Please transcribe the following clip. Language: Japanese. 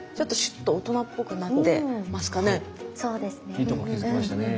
いいとこ気付きましたね。